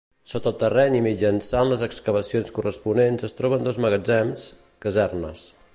Sota el terreny i mitjançant les excavacions corresponents es troben dos magatzems, casernes.